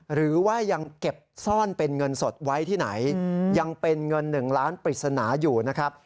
หรือว่ายังเก็บซ่อนเป็นเงินสดไว้ที่ไหนยังเป็นเงิน๑ล้านปริศนาอยู่นะครับ